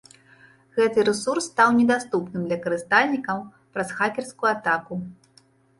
Гэты рэсурс стаў недаступным для карыстальнікаў праз хакерскую атаку.